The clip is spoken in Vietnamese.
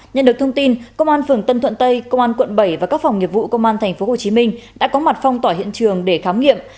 nhận được thông tin công an phường tân thuận tây công an quận bảy và các phòng nghiệp vụ công an tp hcm đã có mặt phong tỏa hiện trường để khám nghiệm